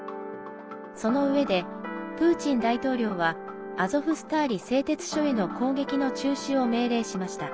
そのうえで、プーチン大統領はアゾフスターリ製鉄所への攻撃の中止を命令しました。